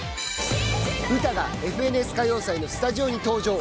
ウタが「ＦＮＳ歌謡祭」のスタジオに登場。